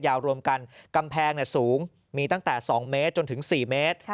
รวมกันกำแพงสูงมีตั้งแต่๒เมตรจนถึง๔เมตร